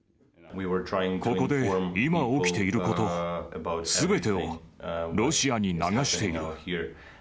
ここで、今、起きていること、すべてをロシアに流している。